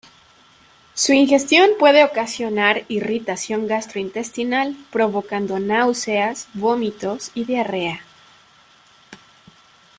Su ingestión puede ocasionar irritación gastrointestinal provocando náuseas, vómitos y diarrea.